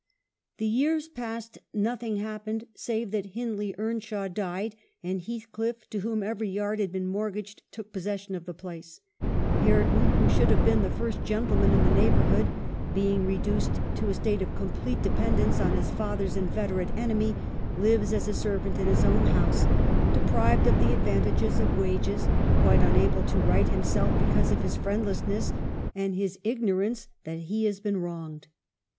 266 EMILY BRONTE. The years passed, nothing happened, save that Hindley Earnshaw died, and Heathcliff, to whom every yard had been mortgaged, took possession of the place ; Hareton, who should have been the first gentleman in the neighbor hood, " being reduced to a state of complete de pendence on his father's inveterate enemy, lives as a servant in his own house, deprived of the advantages of wages, quite unable to right himself because of his friendlessness, and his ignorance that he has been wronged."